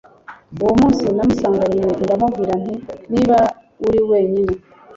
uwo munsi namusanganye ndamubwira nti niba uri wenyine